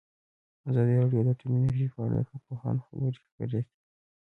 ازادي راډیو د اټومي انرژي په اړه د کارپوهانو خبرې خپرې کړي.